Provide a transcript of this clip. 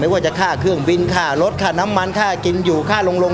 ไม่ว่าจะฆ่าเครื่องบิลฆ่ารถฆ่าน้ำมันฆ่ากินอยู่ฆ่าโรงโรง